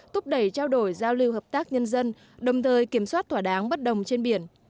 thúc đẩy trao đổi giao lưu hợp tác nhân dân đồng thời kiểm soát thỏa đáng bất đồng trên biển